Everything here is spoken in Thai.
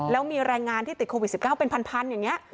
แล้วมีแรงงานที่ติดโควิด๑๙เป็นพันอย่างนี้